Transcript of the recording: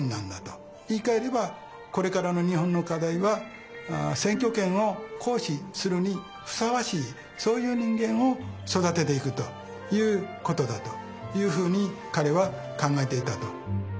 言いかえればこれからの日本の課題は選挙権を行使するにふさわしいそういう人間を育てていくということだというふうに彼は考えていたと。